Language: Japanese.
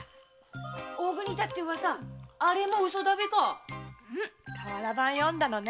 大奥に居たって噂あれもウソだべか⁉瓦版を読んだのね。